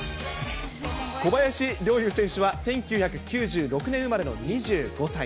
小林陵侑選手は、１９９６年生まれの２５歳。